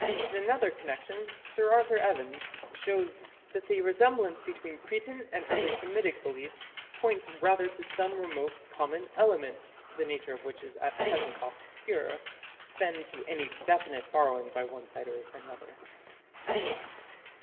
In another connection Sir Arthur Evans shows that the resemblance between Cretan and early Semitic beliefs "points rather to some remote common element, the nature of which is at present obscure, than to any definite borrowing by one side or another".